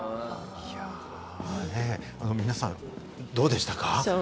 皆さん、どうでしたか？